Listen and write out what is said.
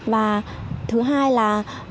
và thứ hai là